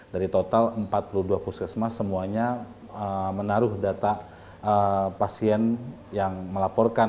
dari total empat puluh dua puskesmas semuanya menaruh data pasien yang melaporkan